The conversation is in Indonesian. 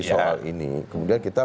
soal ini kemudian kita